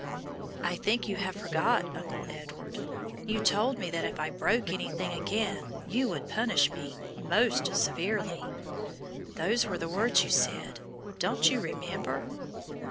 "I think you have forgot, Uncle Edward. You told me that if I broke anything again you would punish me 'most severely.' Those were the words you said; don't you remember?"